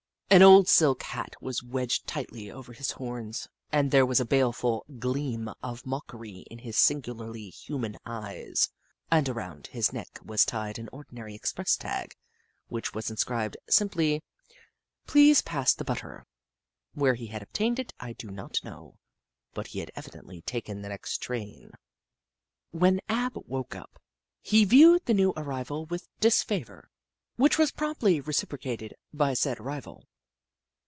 An old silk hat was wedged tightly over his horns, there was a baleful gleam of mockery in his singularly human eyes, and around his neck was tied an ordinary express tag, which was inscribed, simply :" Please pass the Butter." Where he had obtained it, I do not know, but he had evidently taken the next train. When Ab woke up, he viewed the new arrival with disfavour, which was promptly reciprocated by said arrival.